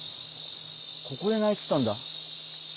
ここで鳴いてたんだ。